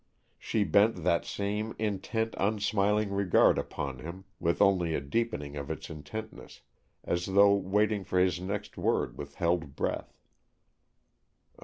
She bent that same intent, unsmiling regard upon him, with only a deepening of its intentness, as though waiting for his next word with held breath.